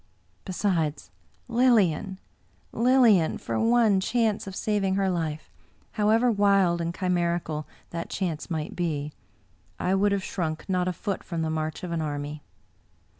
Besides: Lilian — Lilian! for one chance of saving her life, however wild and chimerical that chance might be, I would have shrimk not a foot from the march of an army.